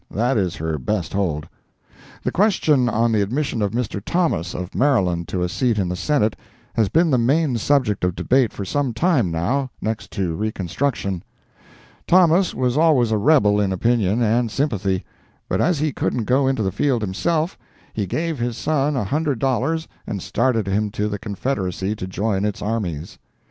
That is her best hold. The question on the admission of Mr. Thomas, of Maryland, to a seat in the Senate, has been the main subject of debate for some time, now, next to reconstruction. Thomas was always a rebel in opinion and sympathy, but as he couldn't go into the field himself, he gave his son a hundred dollars and started him to the Confederacy to join its armies.